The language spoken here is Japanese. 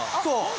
そう。